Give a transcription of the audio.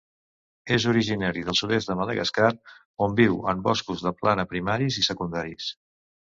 És originari del sud-est de Madagascar, on viu en boscos de plana primaris i secundaris.